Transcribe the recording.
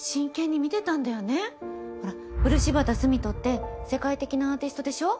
ほら漆畑澄人って世界的なアーティストでしょ。